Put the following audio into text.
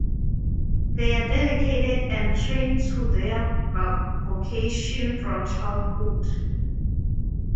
They are dedicated and trained to their vocation from childhood.